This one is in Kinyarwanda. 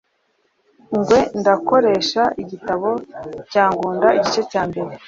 Ngwe ndakoresha igitabo cya ngunda igice cyambere